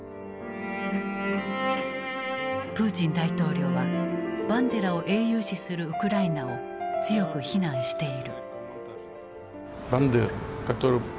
プーチン大統領はバンデラを英雄視するウクライナを強く非難している。